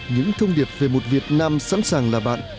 những thông điệp về một việt nam sẵn sàng làm việc